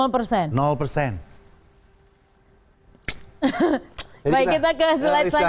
baik kita ke slide selanjutnya